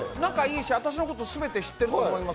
私のこと全て知ってると思います。